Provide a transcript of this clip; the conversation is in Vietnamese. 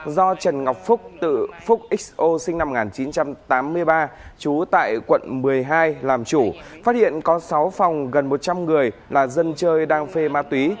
do trần ngọc phúc tự phúc xo sinh năm một nghìn chín trăm tám mươi ba trú tại quận một mươi hai làm chủ phát hiện có sáu phòng gần một trăm linh người là dân chơi đang phê ma túy